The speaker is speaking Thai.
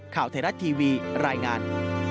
ข่าวไทยรัฐทีวีรายงาน